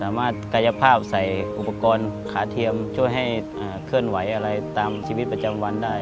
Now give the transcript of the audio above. กายภาพใส่อุปกรณ์ขาเทียมช่วยให้เคลื่อนไหวอะไรตามชีวิตประจำวันได้